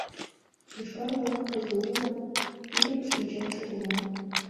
Йошкар-Ола КЗУ-лан тидым шинчен шогыман.